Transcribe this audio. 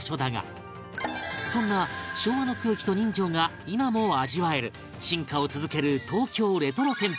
そんな昭和の空気と人情が今も味わえる進化を続ける東京レトロ銭湯